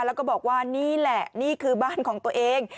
แล้วก็บอกว่านี่แหละนี่คือบ้านของตัวเอง